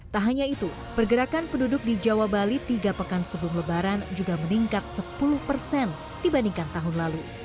tak hanya itu pergerakan penduduk di jawa bali tiga pekan sebelum lebaran juga meningkat sepuluh persen dibandingkan tahun lalu